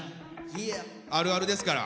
「あるある」ですから。